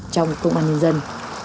trong công an nhân dân